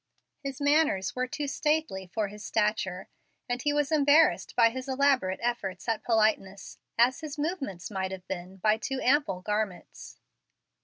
His manners were too stately for his stature, and he was embarrassed by his elaborate efforts at politeness as his movements might have been by too ample garments.